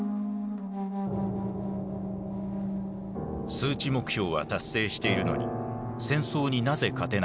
数値目標は達成しているのに戦争になぜ勝てないのか。